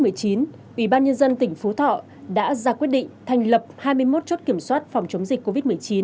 ủy ban nhân dân tỉnh phú thọ đã ra quyết định thành lập hai mươi một chốt kiểm soát phòng chống dịch covid một mươi chín